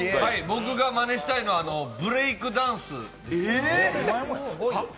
僕がマネしたいのはブレイクダンスです。